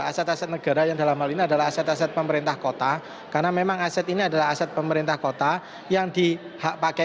aset aset negara yang dalam hal ini adalah aset aset pemerintah kota karena memang aset ini adalah aset pemerintah kota yang di hak pakai